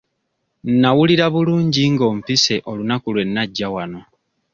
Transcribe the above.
Nnawulira bulungi nga ompise olunaku lwe nnajja wano.